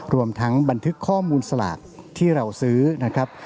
รวมทั้งบันทึกข้อมูลสลากที่เราซื้อนะครับ